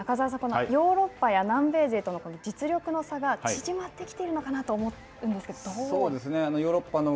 中澤さん、このヨーロッパや南米勢との実力の差が縮まってきているのかなと思うんですが、どう。